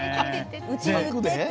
「うちに売って」って。